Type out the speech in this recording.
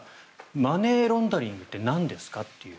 マネーロンダリングってなんですか？という。